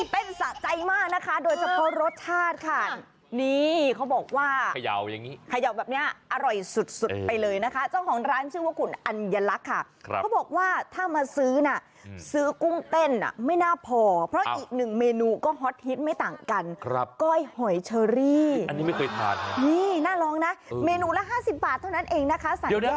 แปลแปลแปลแปลแปลแปลแปลแปลแปลแปลแปลแปลแปลแปลแปลแปลแปลแปลแปลแปลแปลแปลแปลแปลแปลแปลแปลแปลแปลแปลแปลแปลแปลแปลแปลแปลแปล